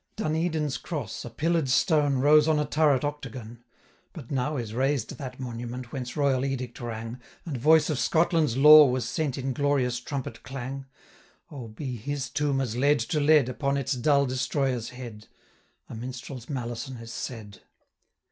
Dun Edin's Cross, a pillar'd stone, Rose on a turret octagon; 710 (But now is razed that monument, Whence royal edict rang, And voice of Scotland's law was sent In glorious trumpet clang. O! be his tomb as lead to lead, 715 Upon its dull destroyer's head! A minstrel's malison is said.)